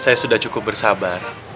saya sudah cukup bersabar